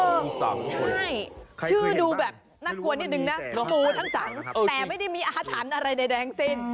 โอ้โฮใช่ชื่อดูแบบนักกลัวนิดนึงนะมูทั้งสังแต่ไม่ได้มีอธัญอะไรในแดงซิ้น